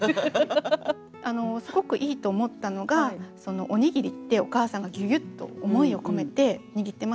すごくいいと思ったのがおにぎりってお母さんがギュギュッと思いを込めて握ってますよね。